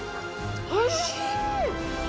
おいしい。